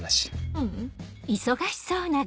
ううん。